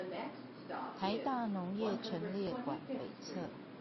臺大農業陳列館北側